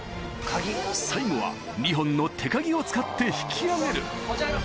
最後は２本の手カギを使って引き上げる持ち上げろ。